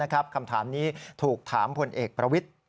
คำถามนี้ถูกถามพลเอกประวิทธิ์